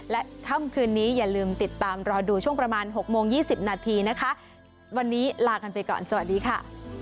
และค่ำคืนนี้อย่าลืมติดตามรอดูช่วงประมาณ๖โมง๒๐นาทีนะคะวันนี้ลากันไปก่อนสวัสดีค่ะ